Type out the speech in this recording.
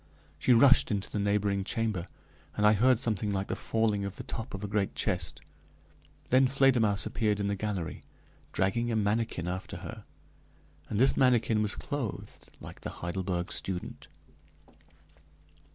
She rushed into the neighboring chamber, and I heard something like the falling of the top of a great chest; then Fledermausse appeared in the gallery, dragging a manikin after her, and this manikin was clothed like the Heidelberg student.